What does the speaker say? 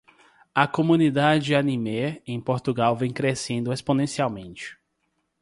A comunidade animé em Portugal vem crescendo exponencialmente.